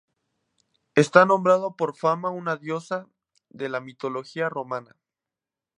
Está nombrado por Fama, una diosa de la mitología romana.